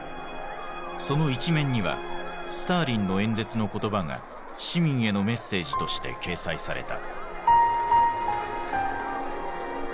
その一面にはスターリンの演説の言葉が市民へのメッセージとして掲載された。